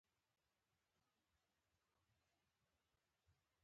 سکواټوران د اسټرالیا مشران شول.